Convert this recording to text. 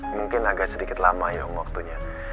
mungkin agak sedikit lama ya waktunya